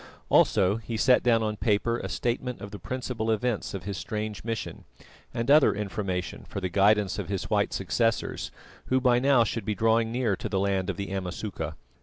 Also he set down on paper a statement of the principal events of his strange mission, and other information for the guidance of his white successors, who by now should be drawing near to the land of the Amasuka.